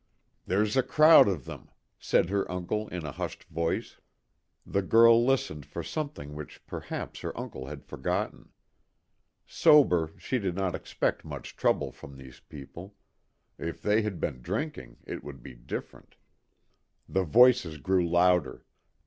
"There's a crowd of them," said her uncle in a hushed voice. The girl listened for something which perhaps her uncle had forgotten. Sober, she did not expect much trouble from these people. If they had been drinking it would be different. The voices grew louder.